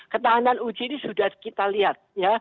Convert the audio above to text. ketahanan uji ini sudah kita lihat